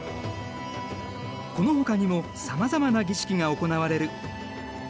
このほかにもさまざまな儀式が行われる。